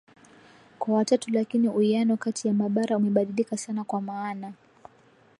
kwa watatu lakini uwiano kati ya mabara umebadilika sana kwa maana